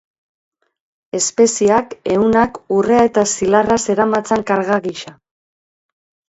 Espeziak, ehunak, urrea eta zilarra zeramatzan karga gisa.